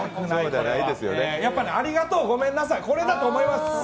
やっぱありがとう、ごめんなさい、これだと思います。